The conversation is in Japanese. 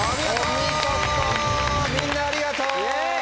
お見事みんなありがとう！イェイ！